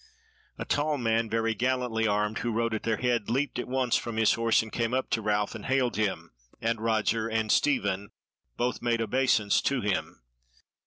A tall man very gallantly armed, who rode at their head, leapt at once from his horse and came up to Ralph and hailed him, and Roger and Stephen both made obeisance to him.